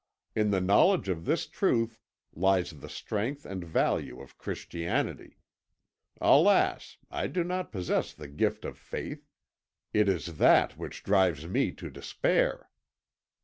In the knowledge of this truth lies the strength and value of Christianity. Alas! I do not possess the gift of Faith. It is that which drives me to despair."